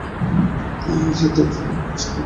সে তো একজন কৃষ্ণভক্ত।